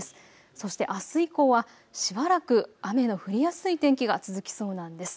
そしてあす以降はしばらく雨の降りやすい天気が続きそうなんです。